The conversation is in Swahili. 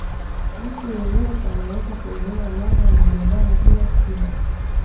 mtu yeyote anaweza kuelewa mada ya mjadala bila shida